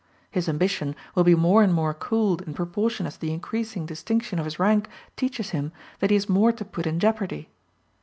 His ambition will be more and more cooled in proportion as the increasing distinction of his rank teaches him that he has more to put in jeopardy.